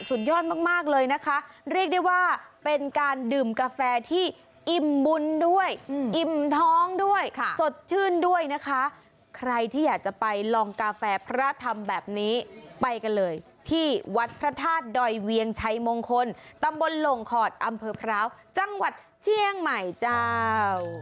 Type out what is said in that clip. ยอดมากเลยนะคะเรียกได้ว่าเป็นการดื่มกาแฟที่อิ่มบุญด้วยอิ่มท้องด้วยสดชื่นด้วยนะคะใครที่อยากจะไปลองกาแฟพระธรรมแบบนี้ไปกันเลยที่วัดพระธาตุดอยเวียงชัยมงคลตำบลหลงขอดอำเภอพร้าวจังหวัดเชียงใหม่เจ้า